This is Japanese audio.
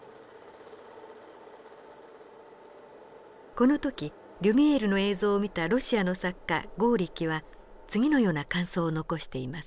この時リュミエールの映像を見たロシアの作家ゴーリキは次のような感想を残しています。